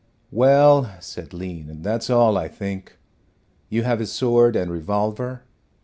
"Well," said Lean, "that's all, I think. You have his sword and revolver?"